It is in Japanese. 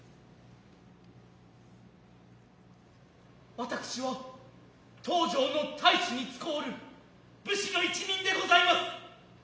私は当城の大守に仕ふる武士の一人でございます。